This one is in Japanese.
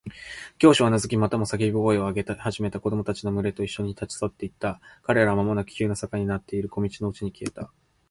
教師はうなずき、またもや叫び声を上げ始めた子供たちのむれといっしょに、立ち去っていった。彼らはまもなく急な坂になっている小路のうちに消えた。